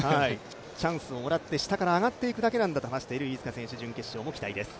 チャンスをもらって、下から上がっていくだけなんだという飯塚選手、準決勝も期待です。